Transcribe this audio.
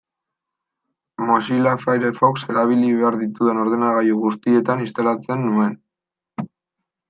Mozilla Firefox erabili behar ditudan ordenagailu guztietan instalatzen nuen.